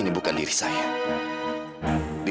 perasaan apa ini sebenarnya